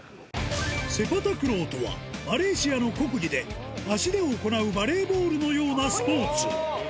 セパタクローとは、マレーシアの国技で、足で行うバレーボールのようなスポーツ。